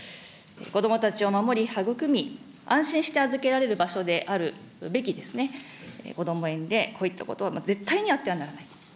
子どもたちを守り、育み、安心して預けられる場所であるべきこども園でこういったことは絶対にあってはならないと。